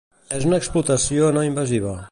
És una exploració no invasiva.